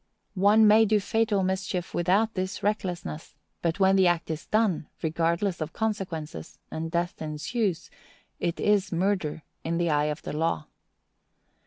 One may do fatal mischief without this recklessness; but when the act is done, regardless of consequences, and death ensues, it is murder in the eye of the law.